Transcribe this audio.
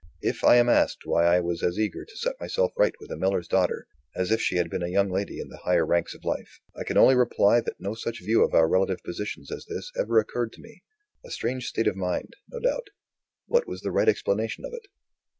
If I am asked why I was as eager to set myself right with a miller's daughter, as if she had been a young lady in the higher ranks of life, I can only reply that no such view of our relative positions as this ever occurred to me. A strange state of mind, no doubt. What was the right explanation of it?